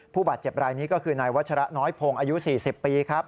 ผู้บาดเจ็บรายนี้ก็คือนายวัชระน้อยพงศ์อายุ๔๐ปีครับ